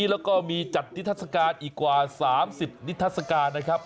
แล้วก็มีจัดนิทัศกาลอีกกว่า๓๐นิทัศกาลนะครับ